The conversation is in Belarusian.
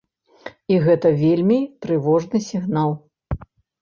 І гэта вельмі трывожны сігнал.